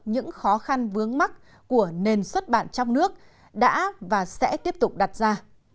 những khó khăn vướng mắt của nền xuất bản trong nước đã và sẽ tiếp tục đặt ra